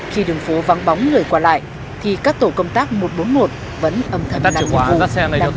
khi đường phố vắng bóng lời quả lại thì các tổ công tác một trăm bốn mươi một vẫn âm thầm làm nhiệm vụ đảm bảo an ninh trật tự